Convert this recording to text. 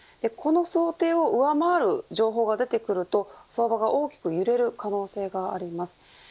この想定を上回る情報が出てくると相場が大きく揺れる可能性があります。